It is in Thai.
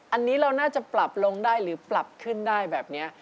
อันนี้เราน่าจะปรับลงได้หรือปรับขึ้นได้แบบนี้